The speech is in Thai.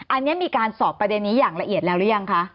อันนี้มีการสอบประเด็นนี้อย่างละเอียดแล้วหรือยังคะ